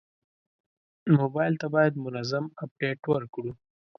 موبایل ته باید منظم اپډیټ ورکړو.